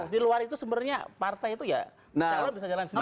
di luar itu sebenarnya partai itu ya calon bisa jalan sendiri